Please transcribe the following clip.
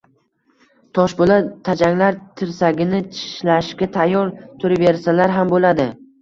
Toshpoʻlat tajanglar tirsagini tishlashga tayyor turaversalar ham boʻladi